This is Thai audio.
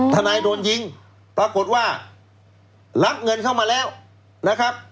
ทนายโดนยิงปรากฏว่ารับเงินเข้ามาแล้วนะครับ